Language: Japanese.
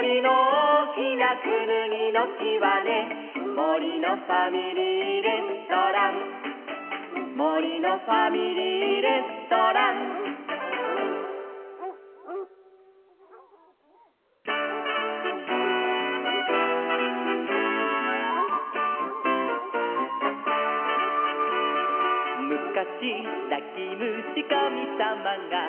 「もりのファミリーレストラン」「もりのファミリーレストラン」「むかしなきむしかみさまが」